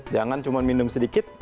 jangan cuma minum sedikit